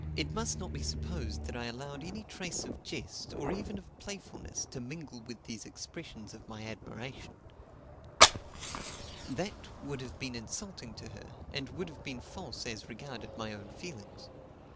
It must not be supposed that I allowed any trace of jest, or even of playfulness, to mingle with these expressions of my admiration; that would have been insulting to her, and would have been false as regarded my own feelings.